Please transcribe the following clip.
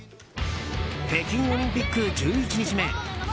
北京オリンピック１１日目。